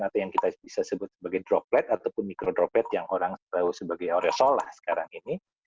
atau yang kita bisa sebut sebagai droplet ataupun mikrodroplet yang orang tahu sebagai auresola sekarang ini